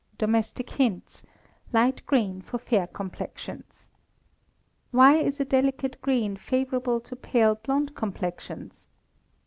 Domestic Hints (Light Green for Fair Complexions). _Why is a delicate green favourable to pale blonde complexions?